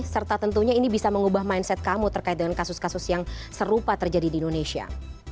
serta tentunya ini bisa mengubah mindset kamu terkait dengan kasus kasus yang serupa terjadi di indonesia